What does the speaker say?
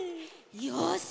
よし！